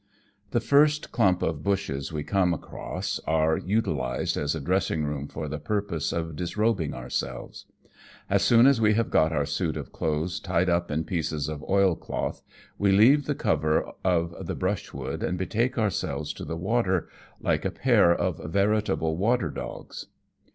The first clump of bushes we come across, are utilized as a dressing room for the purpose of disrob ing ourselves. As soon as we have got our suit of clothes tied up in the piece of oil cloth, we leave the cover of the brushwood and betake ourselves to the water like a pair of veritable water dogs.